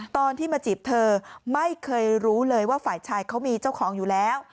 ตอนที่มาจีบเธอไม่เคยรู้เลยว่าฝ่ายชายเขามีเจ้าของอยู่แล้ว